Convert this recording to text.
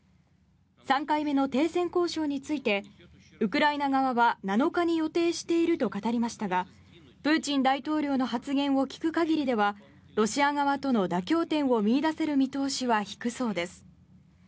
３回目の停戦交渉についてウクライナ側は７日に予定していると語りましたがプーチン大統領の発言を聞く限りではロシア側との妥協点を見いだせる見通しは低そうです。